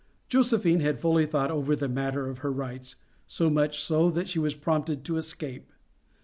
Josephine had fully thought over the matter of her rights, so much so, that she was prompted to escape.